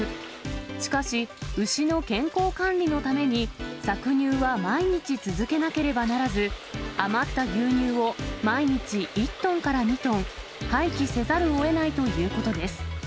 しかし、牛の健康管理のために、搾乳は毎日続けなければならず、余った牛乳を毎日１トンから２トン、廃棄せざるをえないということです。